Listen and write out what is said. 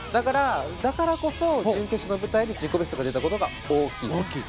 だからこそ、準決勝の舞台で自己ベストが出たことが大きい。